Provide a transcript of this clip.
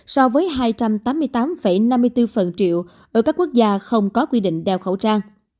so với hai trăm tám mươi tám năm mươi bốn triệu ở các quốc gia không có quy định đeo khẩu trang